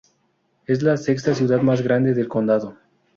Es la sexta ciudad más grande del condado.